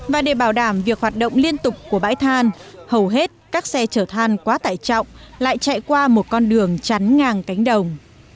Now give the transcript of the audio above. và để bảo đảm việc hoạt động liên tục của bãi than hầu hết các xe chở than quá tải trọng lại chạy qua một con đường chắn ngang cánh đồng